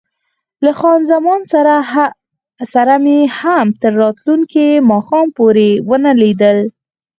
له خان زمان سره مې هم تر راتلونکي ماښام پورې ونه لیدل.